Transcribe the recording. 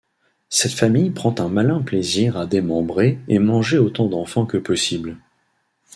Cette famille prend un malin plaisir à démembrer et manger autant d'enfants que possible...